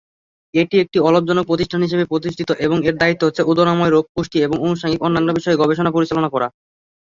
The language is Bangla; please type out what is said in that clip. এটি একটি অলাভজনক প্রতিষ্ঠান হিসেবে প্রতিষ্ঠিত এবং এর দায়িত্ব হচ্ছে উদরাময় রোগ, পুষ্টি এবং আনুষঙ্গিক অন্যান্য বিষয়ে গবেষণা পরিচালনা করা।